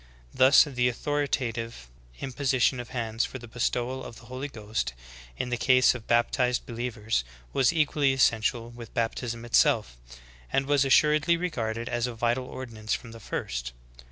Thus, the authoritative im position of hands for the bestowal of the Holy Ghost in the case of baptized believers was equally essential with bap tism itself/ and was assuredly regarded as a vital ordinance from the first.